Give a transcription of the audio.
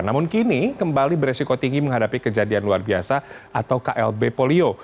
namun kini kembali beresiko tinggi menghadapi kejadian luar biasa atau klb polio